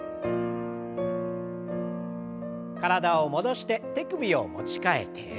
体を戻して手首を持ち替えて。